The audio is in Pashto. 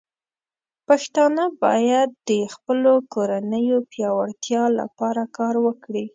پښتانه بايد د خپلو کورنيو پياوړتیا لپاره کار وکړي.